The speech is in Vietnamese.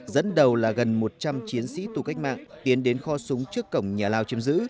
dẫn đầu là gần một trăm linh chiến sĩ tù cách mạng tiến đến kho súng trước cổng nhà lao chiếm giữ